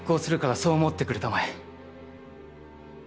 そう思ってくれたまえ」。